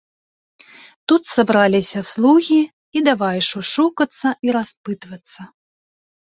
Тут сабраліся слугі і давай шушукацца і распытвацца.